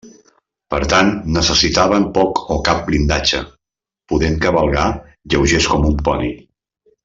Per tant, necessitaven poc o cap blindatge, podent cavalcar lleugers com un poni.